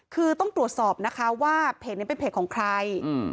คือต้องตรวจสอบนะคะว่าเพจนี้เป็นเพจของใคร